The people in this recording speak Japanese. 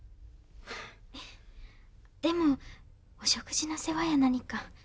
でもお食事の世話や何か。